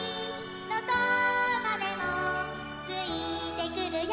どこまでもついてくるよ」